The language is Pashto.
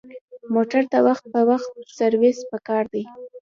موټر ته وخت په وخت سروس پکار دی.